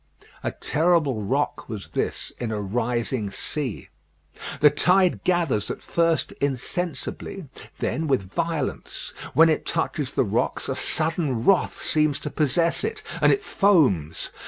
A terrible rock was this in a rising sea. The tide gathers at first insensibly, then with violence; when it touches the rocks a sudden wrath seems to possess it, and it foams.